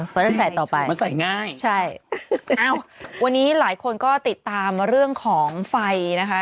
เฟ้อเร่งใส่ต่อไปใช่อ้าววันนี้หลายคนก็ติดตามเรื่องของไฟนะคะ